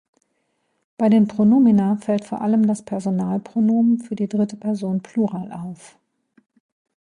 Bei den Pronomina fällt vor allem das Personalpronomen für die dritte Person Plural auf.